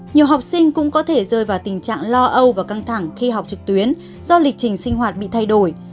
nhiều học sinh cũng có thể rơi vào tình trạng lo âu và căng thẳng khi học trực tuyến do lịch trình sinh hoạt bị thay đổi